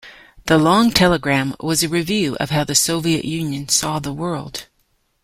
The "Long Telegram" was a review of how the Soviet Union saw the world.